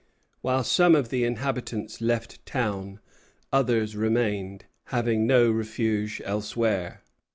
While some of the inhabitants left town, others remained, having no refuge elsewhere.